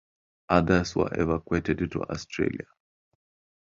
Others were evacuated to Australia.